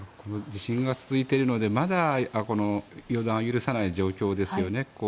地震が続いているのでまだ予断を許さない状況ですよね。